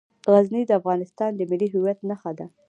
غزني د افغانستان د ملي هویت نښه ده.